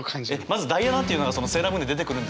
まず「ダイアナ」というのが「セーラームーン」で出てくるんですよ。